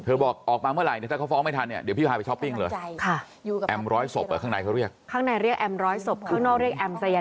เธอบอกออกมาเมื่อไหร่หรือถ้าเขาฟ้องไม่ทันเดี๋ยวพี่ว่าผ้าไปช้อปปิ้งหรือ